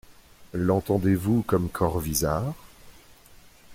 L'entendez-vous comme Corvisart ?